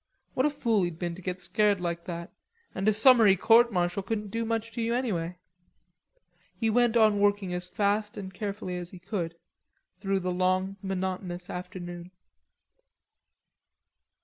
What a fool he'd been to get scared like that, and a summary court martial couldn't do much to you anyway. He went on working as fast and as carefully as he could, through the long monotonous afternoon.